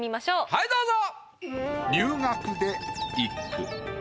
はいどうぞ。